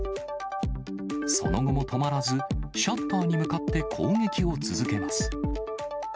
その後も止まらず、シャッターに向かって攻撃を続けます。